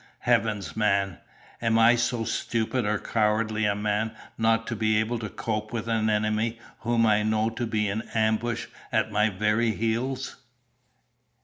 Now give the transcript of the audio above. Heavens, man! am I so stupid or cowardly a man not to be able to cope with an enemy whom I know to be in ambush at my very heels?"